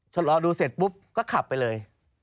ชะลอดูเสร็จปุ๊บก็ขับไปเลย